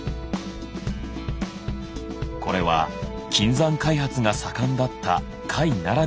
これは金山開発が盛んだった甲斐ならではの恩賞。